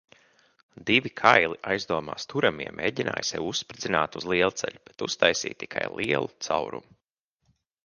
Divi kaili aizdomās turamie mēģināja sevi uzspridzināt uz lielceļa, bet uztaisīja tikai lielu caurumu.